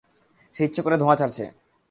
সে ইচ্ছে করে ধোঁয়া ছাড়ছে।